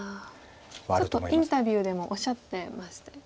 ちょっとインタビューでもおっしゃってましたよね。